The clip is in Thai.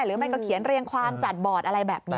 หรือไม่ก็เขียนเรียงความจัดบอร์ดอะไรแบบนี้